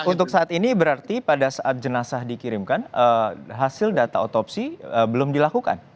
untuk saat ini berarti pada saat jenazah dikirimkan hasil data otopsi belum dilakukan